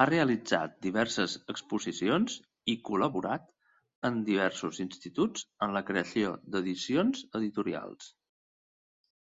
Ha realitzat diverses exposicions i col·laborat en diversos instituts en la creació d'edicions editorials.